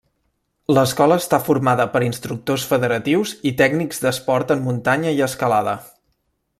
L’Escola està formada per instructors federatius i tècnics d’esport en muntanya i escalada.